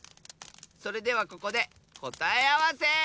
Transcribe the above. それではここでこたえあわせ！